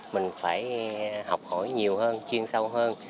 mình phải học hỏi nhiều hơn chuyên sâu hơn